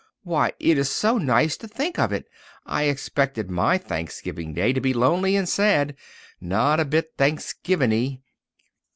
Why, it is so nice to think of it. I expected my Thanksgiving Day to be lonely and sad—not a bit Thanksgivingy."